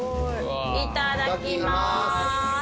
いただきます。